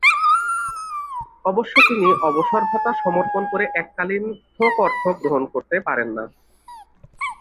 অবশ্য তিনি অবসরভাতা সমর্পণ করে এককালীন থোক অর্থ গ্রহণ করতে পারেন না।